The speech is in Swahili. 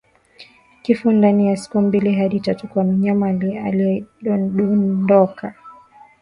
Kifo ndani ya siku mbili hadi tatu kwa mnyama aliyedondoka